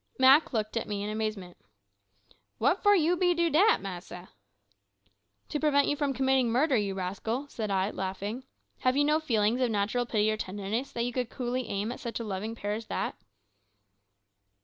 Mak looked at me in amazement. "What for you be do dat, massa?" "To prevent you from committing murder, you rascal," said I, laughing. "Have you no feelings of natural pity or tenderness, that you could coolly aim at such a loving pair as that?"